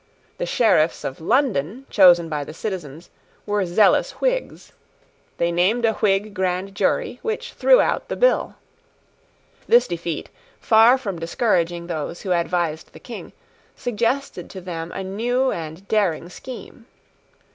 The Sheriffs of London, chosen by the citizens, were zealous Whigs. They named a Whig grand jury, which threw out the bill. This defeat, far from discouraging those who advised the King, suggested to them a new and daring scheme.